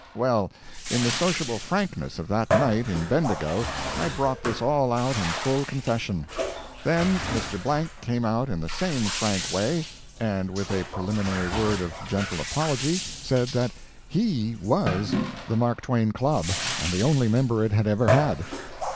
Well, in the sociable frankness of that night in Bendigo I brought this all out in full confession. Then Mr. Blank came out in the same frank way, and with a preliminary word of gentle apology said that he was the Mark Twain Club, and the only member it had ever had!